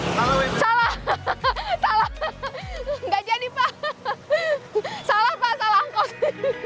salah hahaha salah hahaha nggak jadi pak salah pak salah angkot